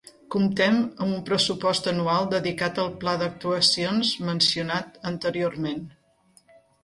Comptem amb un pressupost anual dedicat al Pla d'Actuacions mencionat anteriorment.